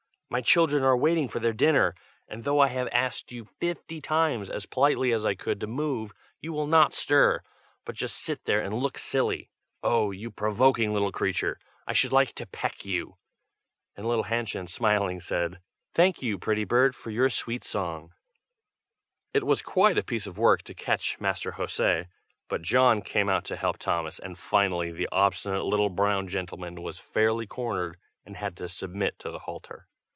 My children are waiting for their dinner, and though I have asked you fifty times, as politely as I could, to move, you will not stir, but just sit there and look silly. Oh! you provoking little creature! I should like to peck you!" And little Hannchen, smiling, said "thank you, pretty bird, for your sweet song!" It was quite a piece of work to catch Master José, but John came out to help Thomas and finally the obstinate little brown gentleman was fairly cornered, and had to submit to the halter.